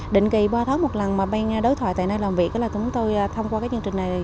định kỳ ba tháng một lần mà bên đối thoại tại nơi làm việc là chúng tôi thông qua cái chương trình này